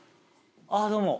あっどうも。